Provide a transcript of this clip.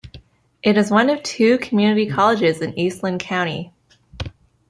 It is one of two community colleges in Eastland County.